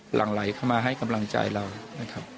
หลังไหลเข้ามาให้กำลังใจเรานะครับ